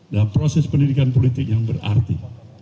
dalam proses pendidikan politik yang berarti